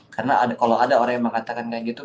karena kalau ada orang yang mengatakan kayak gitu